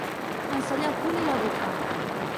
Ensenyar el cul i la bufa.